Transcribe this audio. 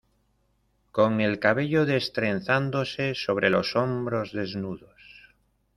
con el cabello destrenzándose sobre los hombros desnudos